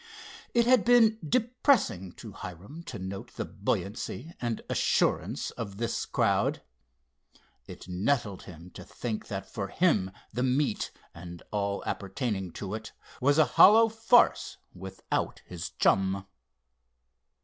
It had been depressing to Hiram to note the buoyancy and assurance of this crowd. It nettled him to think that for him the meet, and all appertaining it to, was a hollow farce without his chum.